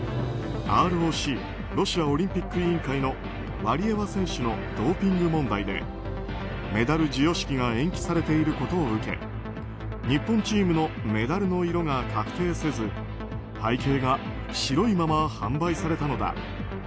ＲＯＣ・ロシアオリンピック委員会のワリエワ選手のドーピング問題でメダル授与式が延期されていることを受け日本チームのメダルの色が確定せず背景が白いまま販売されたのだ。